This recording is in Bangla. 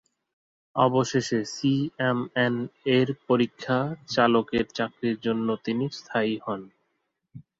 অবশেষে সিএমএন-এর পরীক্ষা-চালকের চাকরির জন্য তিনি স্থায়ী হন।